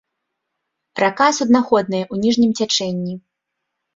Рака суднаходная ў ніжнім цячэнні.